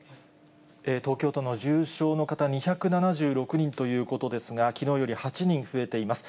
東京都の重症の方、２７６人ということですが、きのうより８人増えています。